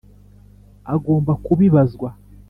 agomba kubibazwa.